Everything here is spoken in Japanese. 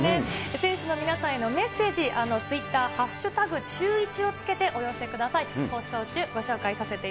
選手の皆さんへのメッセージ、ツイッター、＃シューイチをつけてお寄せください。